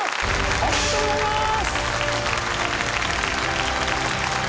おめでとうございます！